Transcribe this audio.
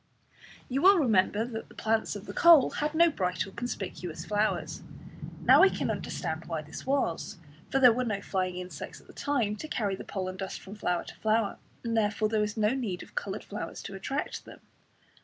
You will remember that the plants of the coal had no bright or conspicuous flowers. Now we can understand why this was, for there were no flying insects at that time to carry the pollen dust from flower to flower, and therefore there was no need of coloured flowers to attract them.